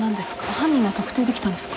犯人を特定できたんですか？